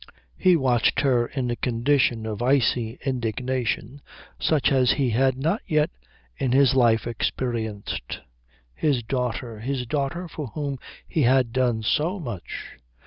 He watched her in a condition of icy indignation such as he had not yet in his life experienced. His daughter. His daughter for whom he had done so much.